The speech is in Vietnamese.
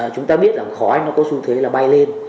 chúng ta biết rằng khói nó có xu thế là bay lên